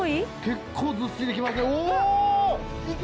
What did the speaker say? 結構ずっしりきますよお！